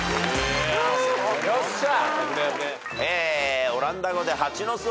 よっしゃ！